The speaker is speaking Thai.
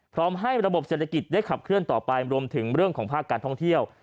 พร้อมให้ระบบเศรษฐกิจได้ขับเคลื่อนต่อไปรวมถึงเรื่องของภาคการท่องเที่ยว